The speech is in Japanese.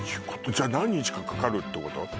じゃ何日かかかるってこと？